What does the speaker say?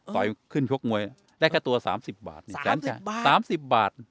ต่อยขึ้นชกมวยได้แค่ตัว๓๐บาท๓๐บาท